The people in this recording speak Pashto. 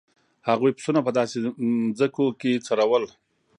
هغوی پسونه په داسې ځمکو کې څرول.